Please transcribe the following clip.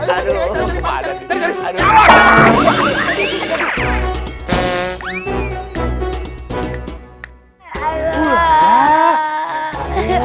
aduh aduh aduh aduh aduh